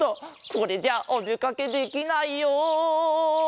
これじゃおでかけできないよ。